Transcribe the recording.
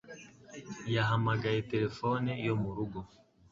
Yahamagaye terefone yo mu rugo